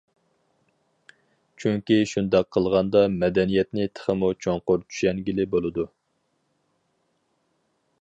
چۈنكى شۇنداق قىلغاندا مەدەنىيەتنى تېخىمۇ چوڭقۇر چۈشەنگىلى بولىدۇ.